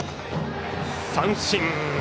三振！